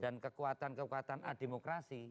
dan kekuatan kekuatan ademokrasi